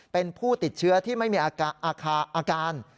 เป็นผู้ติดเชื้อที่ไม่มีอาการ